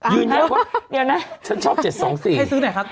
ยืนยันว่าเดี๋ยวนะฉันชอบเจ็ดสองสี่ให้ซื้อหน่อยค่ะ